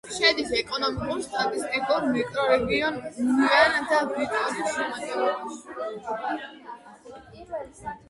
შედის ეკონომიკურ-სტატისტიკურ მიკრორეგიონ უნიან-და-ვიტორიის შემადგენლობაში.